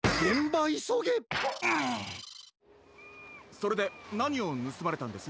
それでなにをぬすまれたんです？